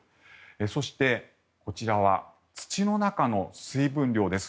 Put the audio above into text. そして、こちらは土の中の水分量です。